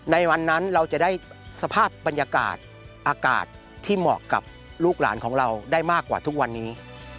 ในวันนั้นเราจะได้สภาพบรรยากาศอากาศที่เหมาะกับลูกหลานของเราได้มากกว่าทุกวันนี้